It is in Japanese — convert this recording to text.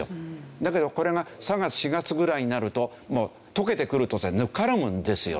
だけどこれが３月４月ぐらいになるともう解けてくるとぬかるむんですよね。